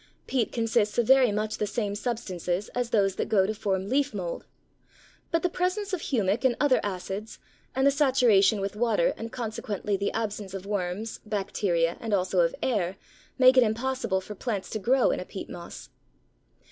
Peat consists of very much the same substances as those that go to form leaf mould. But the presence of humic and other acids, and the saturation with water and consequently the absence of worms, bacteria, and also of air, make it impossible for plants to grow in a peat moss.